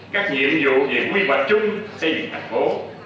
các nhiệm vụ về quy hoạch chung xây dựng thành phố